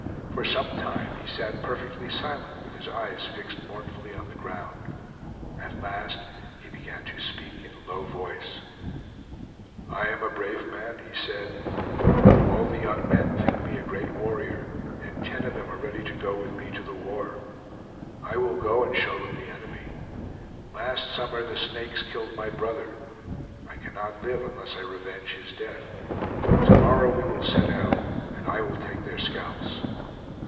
For some time he sat perfectly silent with his eyes fixed mournfully on the ground. At last he began to speak in a low tone: "I am a brave man," he said; "all the young men think me a great warrior, and ten of them are ready to go with me to the war. I will go and show them the enemy. Last summer the Snakes killed my brother. I cannot live unless I revenge his death. To morrow we will set out and I will take their scalps."